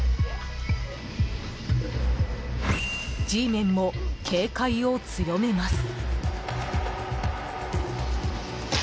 Ｇメンも警戒を強めます。